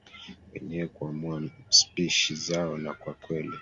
wenyewe kuamua spishi zao na kwa kweli